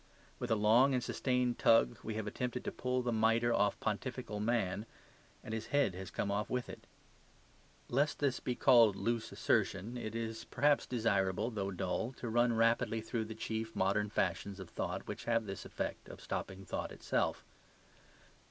With a long and sustained tug we have attempted to pull the mitre off pontifical man; and his head has come off with it. Lest this should be called loose assertion, it is perhaps desirable, though dull, to run rapidly through the chief modern fashions of thought which have this effect of stopping thought itself.